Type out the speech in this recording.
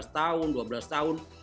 sebelas tahun dua belas tahun